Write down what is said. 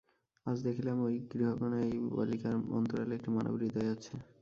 আজ দেখিলাম, এই গৃহকোণে ঐ বালিকামূর্তির অন্তরালে একটি মানবহৃদয় আছে।